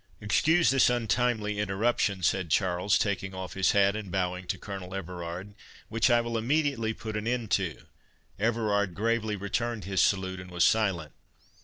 "Excuse this untimely interruption," said Charles, taking off his hat, and bowing to Colonel Everard, "which I will immediately put an end to." Everard gravely returned his salute, and was silent.